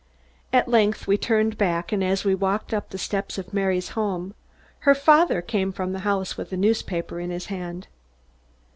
At length we turned back and as we walked up the steps of Mary's home, her father came from the house with a newspaper in his hand.